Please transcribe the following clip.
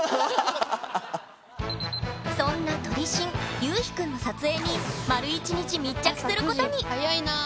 そんな撮り信・ゆうひ君の撮影に丸１日密着することに！